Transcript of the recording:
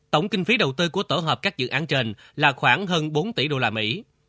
tổng kinh phí đầu tư của tổ hợp các dự án trên là khoảng hơn bốn tỷ đô la mỹ